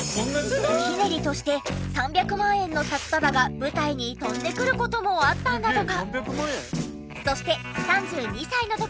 おひねりとして３００万円の札束が舞台に飛んでくる事もあったんだとか。